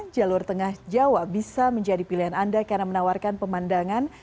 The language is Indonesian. jalur tengah jawa bisa menjadi pilihan anda karena menawarkan pemandangan